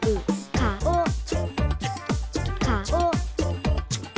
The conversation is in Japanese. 「かおかおだ」